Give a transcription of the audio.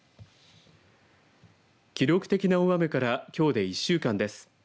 記録的の大雨からきょうで１週間です。